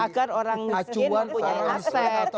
agar orang muslim mempunyai aset